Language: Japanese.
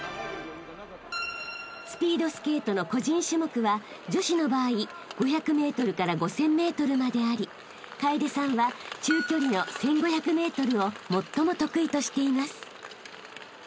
［スピードスケートの個人種目は女子の場合５００ｍから５０００ｍまであり楓さんは中距離の１５００ｍを最も得意としています］